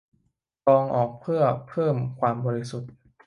กรองออกเพื่อเพิ่มความบริสุทธิ์